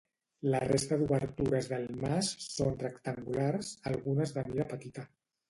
La resta d'obertures del mas són rectangulars, algunes de mida petita.